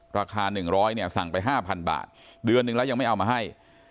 ราคา๑๐๐เนี่ยสั่งไป๕๐๐บาทเดือนหนึ่งแล้วยังไม่เอามาให้